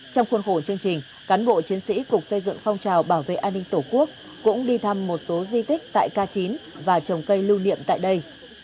trong khuôn khổ chương trình cán bộ chiến sĩ cục xây dựng phong trào bảo vệ an ninh tổ quốc cũng đi thăm một số di tích tại k chín và trồng cây lưu niệm tại đây